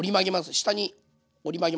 下に折り曲げます。